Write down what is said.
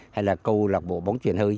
hay là câu lạc bộ bóng truyền hơi